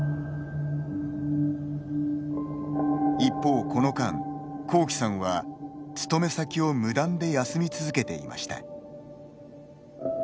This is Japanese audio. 一方、この間、こうきさんは勤め先を無断で休み続けていました。